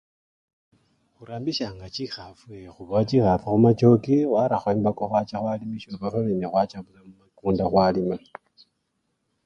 Khurambisyanga chikhafu yee! khura chikhafu mumachoki khwarakho embako khwacha khwalimisya oba fwabene khwacha mumikunda khwalima.